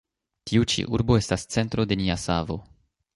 Tiu ĉi urbo estas centro de nia savo.